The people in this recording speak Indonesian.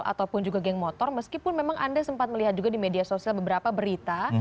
ataupun juga geng motor meskipun memang anda sempat melihat juga di media sosial beberapa berita